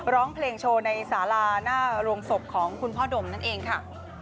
ร้องเพลงโชว์ในสาราหน้าโรงศพของคุณพ่อดมนั่นเองค่ะ